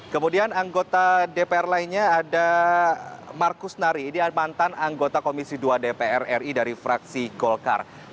kemudian anggota dpr lainnya ada markus nari ini anggota yang dianggap sebagai ketua dpr ri